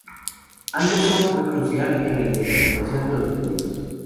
Anderson fue crucial en la identificación de los detenidos.